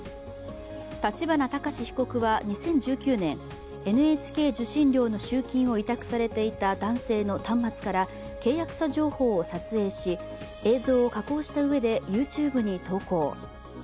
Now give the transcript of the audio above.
立花孝志被告は２０１９年ＮＨＫ受信料の集金を委託されていた男性の端末から契約者情報を撮影し、映像を加工したうえでＹｏｕＴｕｂｅに投稿。